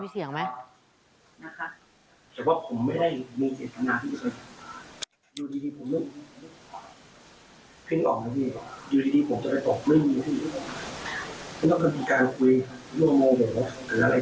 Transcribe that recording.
มีเสียงไหม